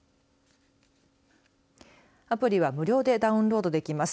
アプリは無料でダウンロードできます。